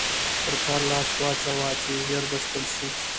پر کار لاس واچوه چې ژر بشپړ شي.